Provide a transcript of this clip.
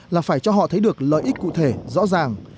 là phải cho họ thấy được lợi ích cụ thể rõ ràng